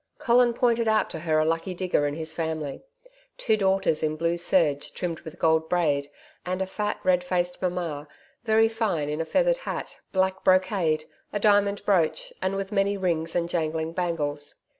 Colin pointed out to her a lucky digger and his family two daughters in blue serge trimmed with gold braid, and a fat red faced Mamma, very fine in a feathered hat, black brocade, a diamond brooch, and with many rings and jangling bangles.